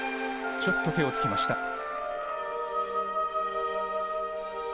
ちょっと手をつきました。